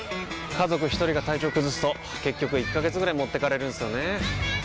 家族一人が体調崩すと結局１ヶ月ぐらい持ってかれるんすよねー。